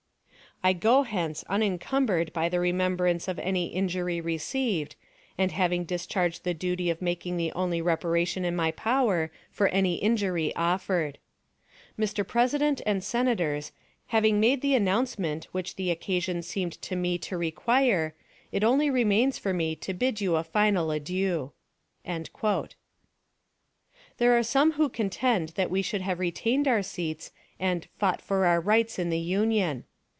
I go hence unencumbered by the remembrance of any injury received, and having discharged the duty of making the only reparation in my power for any injury offered. "Mr. President and Senators, having made the announcement which the occasion seemed to me to require, it only remains for me to bid you a final adieu." There are some who contend that we should have retained our seats and "fought for our rights in the Union."